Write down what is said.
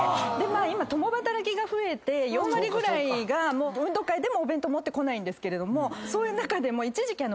今共働きが増えて４割ぐらいが運動会でもお弁当持ってこないんですけどもそういう中でも一時期。